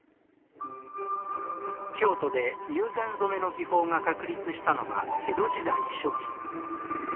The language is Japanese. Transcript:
京都で友禅染の技法が確立したのは、江戸時代初期。